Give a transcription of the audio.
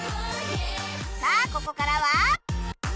さあここからは